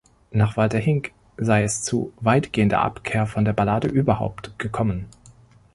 Nach Walter Hinck sei es zu „weitgehender Abkehr von der Ballade überhaupt“ gekommen.